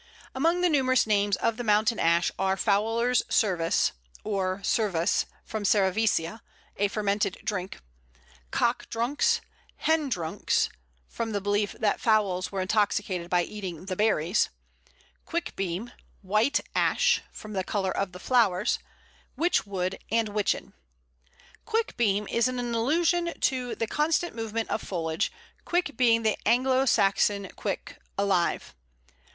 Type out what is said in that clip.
] Among the numerous names of the Mountain Ash are Fowler's Service (or Servise, from Cerevisia, a fermented drink), Cock drunks, Hen drunks (from the belief that fowls were intoxicated by eating the "berries"), Quickbeam, White Ash (from the colour of the flowers), Witch wood, and Witchen. Quickbeam is in allusion to the constant movement of foliage, quick being the Anglo Saxon cwic, alive.